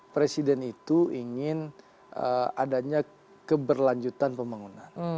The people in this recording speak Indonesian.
presiden itu ingin adanya keberlanjutan pembangunan